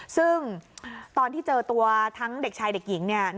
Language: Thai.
ซึ่งตอนที่เจอตัวทั้งเด็กชายเด็กหญิงเนี่ย